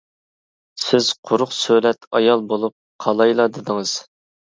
سىز قۇرۇق سۆلەت ئايال بولۇپ قالايلا دېدىڭىز.